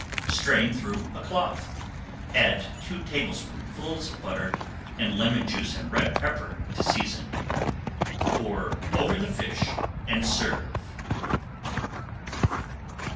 Strain through a cloth, add two tablespoonfuls of butter, and lemon juice and red pepper to season. Pour over the fish and serve.